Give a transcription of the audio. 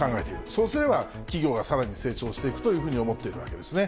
そうすれば、企業がさらに成長していくというふうに思っているわけですね。